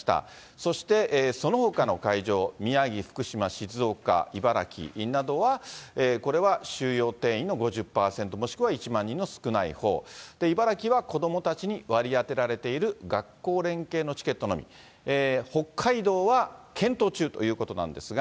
そしてそのほかの会場、宮城、福島、静岡、茨城などは、これは収容定員の５０％、もしくは１万人の少ないほう、茨城は子どもたちに割り当てられている学校連携のチケットのみ、北海道は検討中ということなんですが。